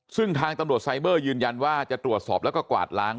ซึ่งทางตำรวจไซเบอร์ยืนยันว่าจะตรวจสอบแล้วก็กวาดล้าง